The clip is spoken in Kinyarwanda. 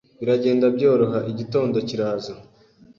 Biragenda byoroha. Igitondo kiraza.